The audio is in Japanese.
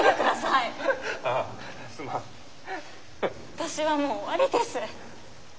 私はもう終わりです。